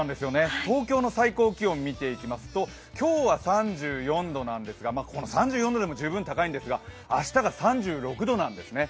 東京の最高気温見ていきますと、今日は３４度なんですが、この３４度でも十分高いんですが明日が３６度なんですね。